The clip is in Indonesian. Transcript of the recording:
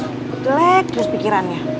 ketelek terus pikirannya